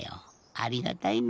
ありがたいの。